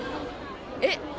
えっ？